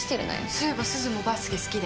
そういえばすずもバスケ好きだよね？